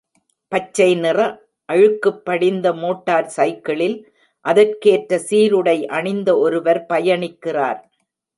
பச்சை நிற அழுக்குபடிந்த மோட்டார் சைக்கிளில் அதற்கேற்ற சீருடை அணிந்த ஒருவர் பயணிக்கிறார்.